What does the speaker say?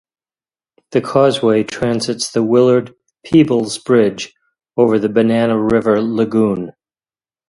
The causeway transits the Willard Peebles bridge over the Banana River Lagoon.